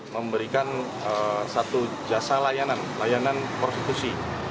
memberikan satu jasa layanan layanan prostitusi